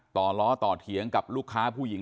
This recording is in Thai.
ล้อต่อเถียงกับลูกค้าผู้หญิง